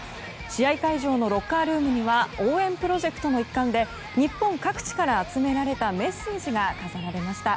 試合会場のロッカールームには応援プロジェクトの一環で日本各地から集められたメッセージが寄せられました。